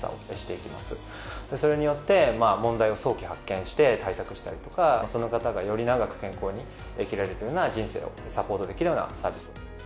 それによって問題を早期発見して対策したりとかその方がより長く健康に生きられるような人生をサポートできるようなサービス。